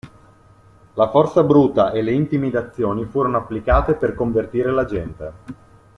La forza bruta e le intimidazioni furono applicate per convertire la gente.